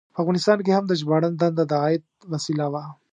په افغانستان کې هم د ژباړن دنده د عاید وسیله وه.